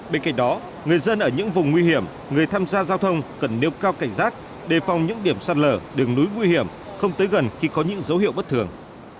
bên cạnh đó người dân ở những vùng nguy hiểm người tham gia giao thông cần nêu cao cảnh giác đề phòng những điểm sạt lở đường núi nguy hiểm không tới gần khi có những dấu hiệu bất thường